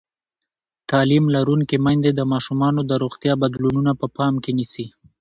تعلیم لرونکې میندې د ماشومانو د روغتیا بدلونونه په پام کې نیسي.